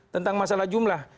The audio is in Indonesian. tentang masalah jumlah